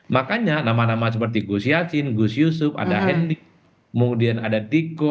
makanya nama nama seperti gus yasin gus yusuf ada handi kemudian ada tiko